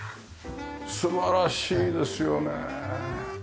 素晴らしいですよね。